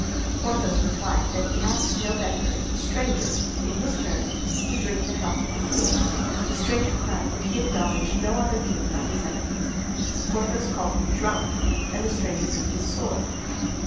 Porthos replied that he asked no better if the stranger, in his turn, would drink the health of the king. The stranger cried that he acknowledged no other king but his Eminence. Porthos called him drunk, and the stranger drew his sword.